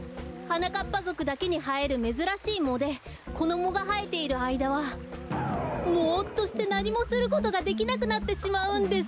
はなかっぱぞくだけにはえるめずらしいもでこのもがはえているあいだはもっとしてなにもすることができなくなってしまうんです！